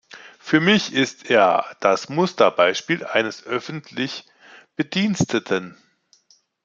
Für mich ist er das Musterbeispiel eines öffentlich Bediensteten.